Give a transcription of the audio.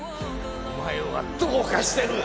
お前はどうかしてる！